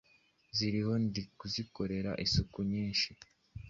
Nziriho ndikuzikorera isuku nyinshi